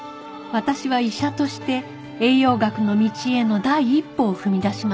私は医者として栄養学の道への第一歩を踏み出しました